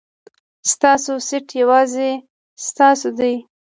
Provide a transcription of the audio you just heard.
ستاسو سېټ یوازې ستاسو دی.